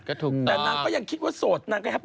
แต่นางก็ยังคิดว่าโสด